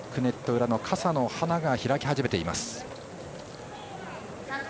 裏の傘の花が開き始めています。